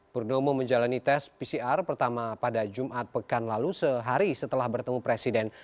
purnomo menjalani tes pcr pertama pada jumat pekan lalu sehari setelah bertemu presiden